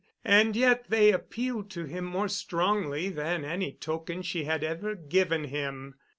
And yet they appealed to him more strongly than any token she had ever given him.